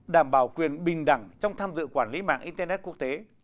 đảm bảo quyền bình đẳng trong tham dự quản lý mạng internet quốc tế